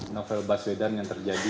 novel baswedan yang terjadi